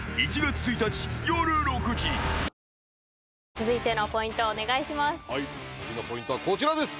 続いてのポイントをお願いします。